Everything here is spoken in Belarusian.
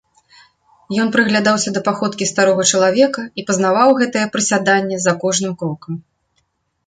Ён прыглядаўся да паходкі старога чалавека і пазнаваў гэтае прысяданне за кожным крокам.